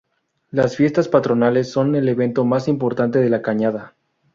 Las fiestas patronales son el evento más importante de la Cañada.